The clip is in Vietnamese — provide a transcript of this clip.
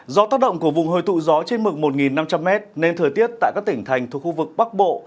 do tác động của vùng hồi tụ gió trên mực một năm trăm linh m nên thời tiết tại các tỉnh thành thuộc khu vực bắc bộ